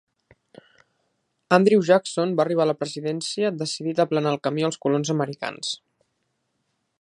Andrew Jackson va arribar a la presidència decidit a aplanar el camí als colons americans.